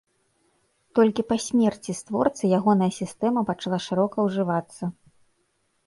Толькі па смерці створцы ягоная сістэма пачала шырока ўжывацца.